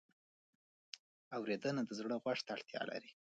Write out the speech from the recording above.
اورېدنه د زړه غوږ ته اړتیا لري.